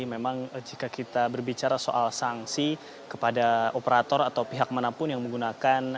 memang jika kita berbicara soal sanksi kepada operator atau pihak manapun yang menggunakan